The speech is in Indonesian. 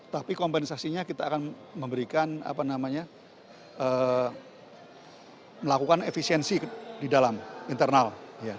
tapi kompensasinya kita akan memberikan apa namanya melakukan efisiensi di dalam internal